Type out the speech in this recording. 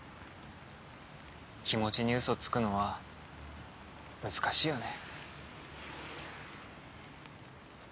気持ちにうそをつくのは難しいよね。